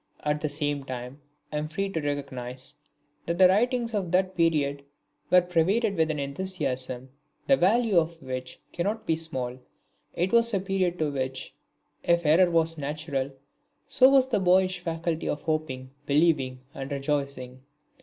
At the same time I am free to recognise that the writings of that period were pervaded with an enthusiasm the value of which cannot be small. It was a period to which, if error was natural, so was the boyish faculty of hoping, believing and rejoicing.